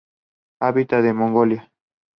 Habita en Mongolia.